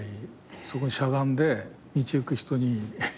そこにしゃがんで道行く人に。